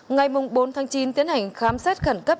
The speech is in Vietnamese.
ngày bốn tháng chín tiến hành khám xét khẩn cấp